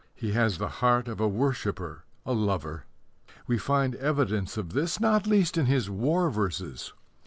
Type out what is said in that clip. He has the heart of a worshipper, a lover. We find evidence of this not least in his war verses.